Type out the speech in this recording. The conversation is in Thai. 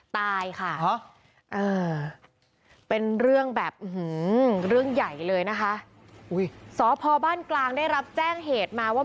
ตายค่ะเป็นเรื่องแบบเรื่องใหญ่เลยนะคะสพบ้านกลางได้รับแจ้งเหตุมาว่า